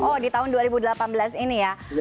oh di tahun dua ribu delapan belas ini ya